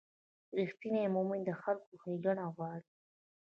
رښتینی مؤمن د خلکو ښېګڼه غواړي.